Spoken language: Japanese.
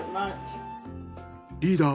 リーダー